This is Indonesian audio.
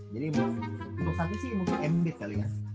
jadi untuk saat ini sih mungkin ambit kali ya